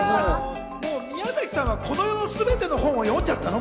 もう宮崎さんはこの世のすべての本を読んじゃったの？